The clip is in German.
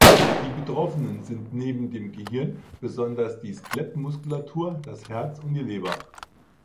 Betroffen sind neben dem Gehirn besonders die Skelettmuskulatur, das Herz und die Leber.